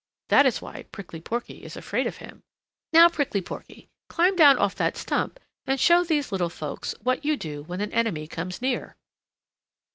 That is why Prickly Porky is afraid of him. Now, Prickly Porky, climb down off that stump and show these little folks what you do when an enemy comes near."